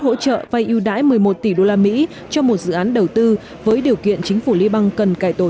hỗ trợ vài ưu đãi một mươi một tỷ đô la mỹ cho một dự án đầu tư với điều kiện chính phủ libang cần cải tổ